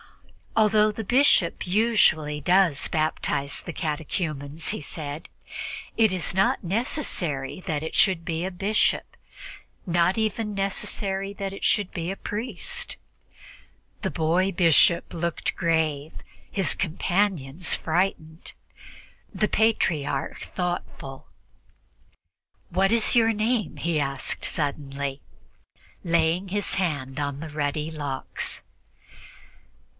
"Although the bishop usually does baptize the catechumens," he said, "it is not necessary that it should be a bishop, not even necessary that it should be a priest." The boy bishop looked grave, his companions frightened, the Patriarch thoughtful. "What is your name?" he asked suddenly, laying his hand on the ruddy locks.